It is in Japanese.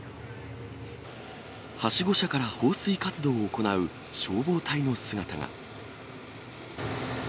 はしご車から放水活動を行う消防隊の姿が。